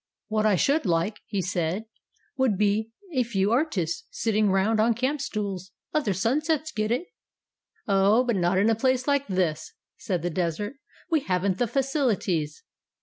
"What I should like," he said, "would be a few artists, sitting round on camp stools. Other sunsets get it." "Oh, but not in a place like this," said the Desert. "We haven't the facilities."